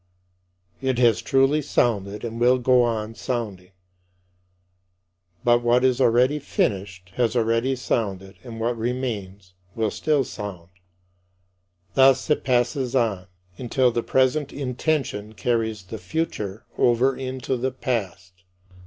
It has truly sounded and will go on sounding. But what is already finished has already sounded and what remains will still sound. Thus it passes on, until the present intention carries the future over into the past.